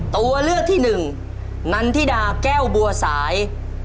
ตัวเลือกที่หนึ่งนันทิดาแก้วบัวสาย